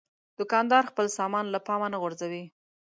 دوکاندار خپل سامان له پامه نه غورځوي.